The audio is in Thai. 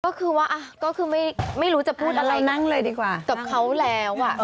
ก็คือว่าอ่ะก็คือไม่รู้จะพูดอะไรกับเขาแล้ว